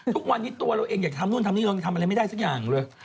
ทุกวันนี้ตัวเราเองอยากทำนู่นทำนี่เรายังทำอะไรไม่ได้สักอย่างเลย